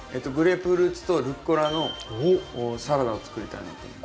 グレープフルーツとルッコラのサラダを作りたいなと。